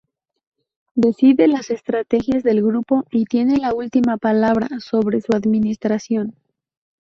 Decide las estrategias del grupo y tiene la última palabra sobre su administración.